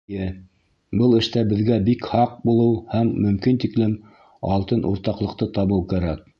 Эйе, был эштә беҙгә бик һаҡ булыу һәм мөмкин тиклем алтын урталыҡты табыу кәрәк.